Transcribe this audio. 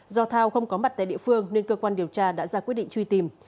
do thao không có mặt tại địa phương nên cơ quan điều tra đã ra quyết định truy tìm